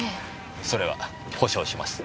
それは保証します。